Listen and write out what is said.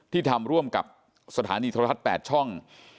ที่ทำร่วมกับสถานีโทรทัศน์๘ช่อง